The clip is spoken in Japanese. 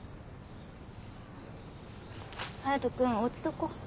隼人君おうちどこ？